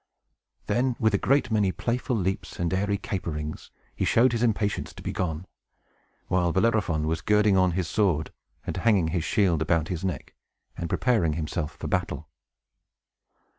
Then, with a great many playful leaps and airy caperings, he showed his impatience to be gone; while Bellerophon was girding on his sword, and hanging his shield about his neck, and preparing himself for battle.